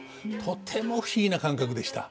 とても不思議な感覚でした。